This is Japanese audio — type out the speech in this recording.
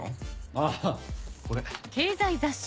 あぁこれ。